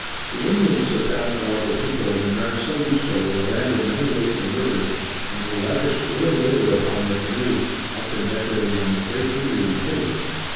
The Indians surpassed all other people in an art so useful in a land of many lakes and rivers and they lavished willing labor upon their canoes, often decorating them with great beauty and taste.